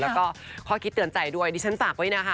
แล้วก็ข้อคิดเตือนใจด้วยดิฉันฝากไว้นะคะ